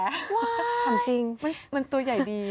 ถามจริงมันตัวใหญ่ดี